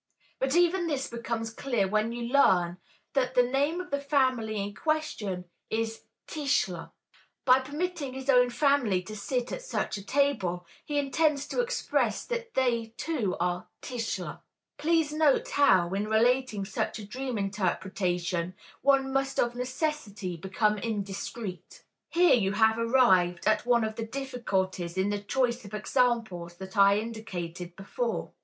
But even this becomes clear when you learn that the name of the family in question is Tischler. By permitting his own family to sit at such a table, he intends to express that they too are Tischler. Please note how, in relating such a dream interpretation, one must of necessity become indiscreet. Here you have arrived at one of the difficulties in the choice of examples that I indicated before.